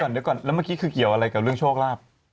เดี๋ยวก่อนแล้วเมื่อกี้คือเกี่ยวอะไรกับเรื่องโชคลาภ